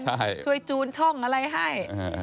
ใช่ช่วยจูนช่องอะไรให้